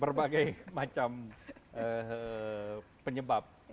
berbagai macam penyebab